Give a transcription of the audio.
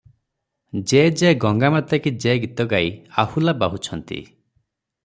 'ଜେ ଜେ-ଗଙ୍ଗାମାତା କି ଜେ' ଗୀତ ଗାଇ ଆହୁଲା ବାହୁଛନ୍ତି ।